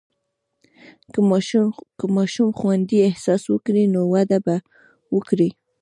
که ماشوم خوندي احساس وکړي، نو وده به وکړي.